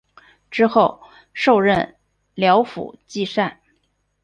之后授任辽府纪善。